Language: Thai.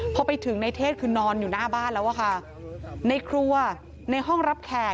พอไปถึงในเทศคือนอนอยู่หน้าบ้านแล้วอะค่ะในครัวในห้องรับแขก